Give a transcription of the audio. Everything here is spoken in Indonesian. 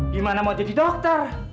gimana mau jadi dokter